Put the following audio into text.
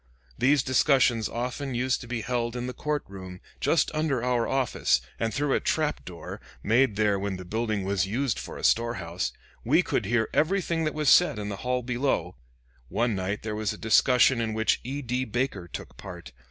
These discussions used often to be held in the court room, just under our office, and through a trap door, made there when the building was used for a store house, we could hear everything that was said in the hall below. One night there was a discussion in which E. D. Baker took part.